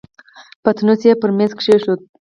پتنوس يې پر مېز کېښود.